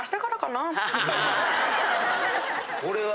これは。